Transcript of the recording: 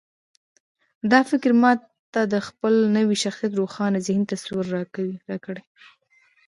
دا فکر به ما ته د خپل نوي شخصيت روښانه ذهني تصوير راکړي.